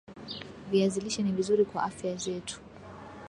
viazi lishe ni vizuri kwa afya zetu